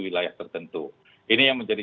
wilayah tertentu ini yang menjadi